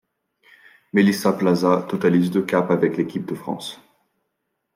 Mélissa Plaza totalise deux capes avec l'équipe de France.